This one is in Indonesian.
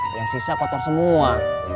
yang sisa kotor semua